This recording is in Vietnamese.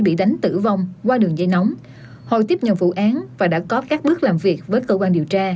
bị đánh tử vong qua đường dây nóng hồi tiếp nhận vụ án và đã có các bước làm việc với cơ quan điều tra